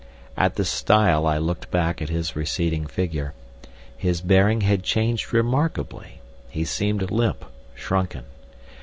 At the stile I looked back at his receding figure. His bearing had changed remarkably, he seemed limp, shrunken.